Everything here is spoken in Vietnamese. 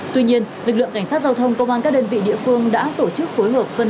tuy nhiên lực lượng cảnh sát giao thông công an các đơn vị địa phương đã tổ chức phối hợp phân